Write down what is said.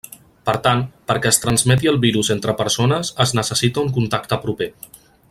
Per tant, perquè es transmeti el virus entre persones es necessita un contacte proper.